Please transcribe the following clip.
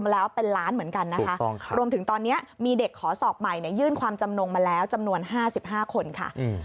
แล้วเป็นล้านเหมือนกันนะคะรวมถึงตอนนี้มีเด็กขอสอบใหม่ยื่นความจำนงมาแล้วจำนวน๕๕คนค่ะ